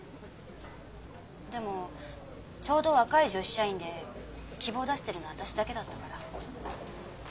でもちょうど若い女子社員で希望出してるの私だけだったから。